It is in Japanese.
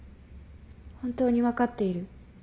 本当に分かっている？